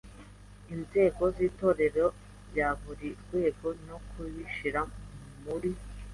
inzego z’Itorero bya buri rwego no kubishyira muri